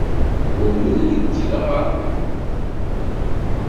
Umnen-k dɣa?